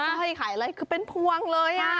ขายไส้ขายอะไรคือเป็นพวงเลยอ่ะ